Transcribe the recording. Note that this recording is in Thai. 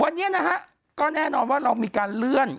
วันนี้นะฮะก็แน่นอนว่าเรามีการเลื่อน